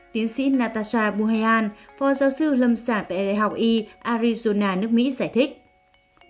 tiến sĩ natasha buheyan phó giáo sư lâm sản tại đại học e arizona nước mỹ giải thích